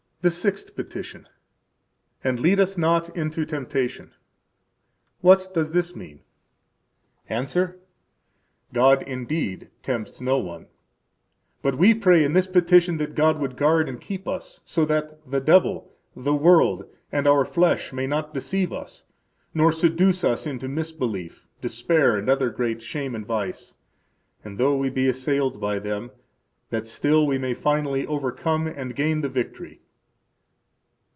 The Sixth Petition. And lead us not into temptation. What does this mean? –Answer: God, indeed, tempts no one; but we pray in this petition that God would guard and keep us, so that the devil, the world, and our flesh may not deceive us, nor seduce us into misbelief, despair, and other great shame and vice; and though we be assailed by them, that still we may finally overcome and gain the victory.